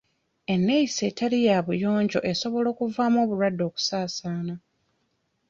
Eneeyisa etali ya buyonjo esobola okuvaamu obulwadde okusaasaana.